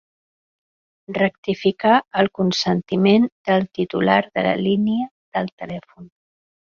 Rectificar el consentiment del titular de la línia de telèfon.